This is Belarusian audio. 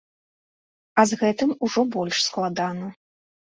А з гэтым ужо больш складана.